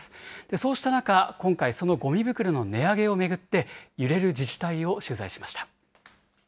そうした中、今回、そのごみ袋の値上げを巡って揺れる自治体を取材しました。